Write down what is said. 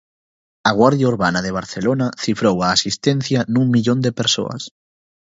A Guardia Urbana de Barcelona cifrou a asistencia nun millón de persoas.